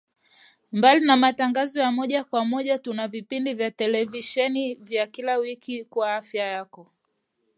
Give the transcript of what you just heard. Mbali na matangazo ya moja kwa moja tuna vipindi vya televisheni vya kila wiki vya Afya Yako